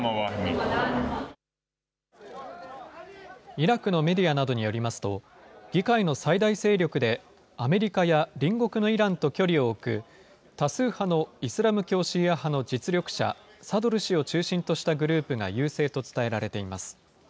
イラクのメディアなどによりますと、議会の最大勢力で、アメリカや隣国のイランと距離を置く、多数派のイスラム教シーア派の実力者、サドル師を中心としたグループが優勢と伝えられています。